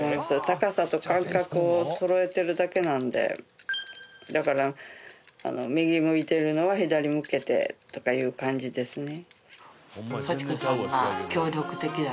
高さと間隔をそろえてるだけなんでだから右向いてるのは左向けてとかいう感じですね